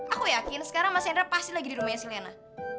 aku yakin sekarang mas hendra pasti lagi di rumahnya silena